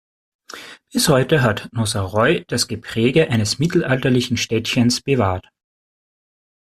Bis heute hat Nozeroy das Gepräge eines mittelalterlichen Städtchens bewahrt.